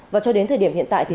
và cho đến thời điểm hiện tại